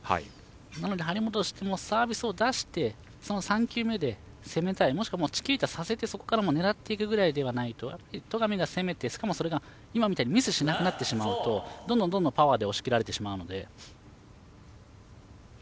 なので、張本としてもサービスを出して、３球目で攻めたい、もしくはチキータさせて、そこから狙っていくぐらいじゃないと戸上が攻めてしかも、それが今みたいにミスをしなくなってしまうとどんどんパワーで押し切られてしまうので。